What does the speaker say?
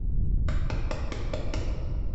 იქვე მიიღო საშუალო და შემდეგ უმაღლესი განათლება.